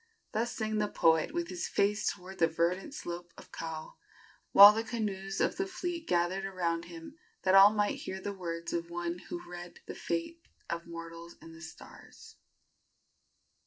Thus sang the poet, with his face toward the verdant slopes of Kau, while the canoes of the fleet gathered around him, that all might hear the words of one who read the fate of mortals in the stars.